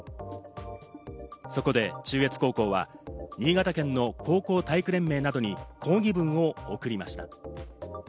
そこで中越高校は新潟県の高校体育連盟などに抗議文を送りました。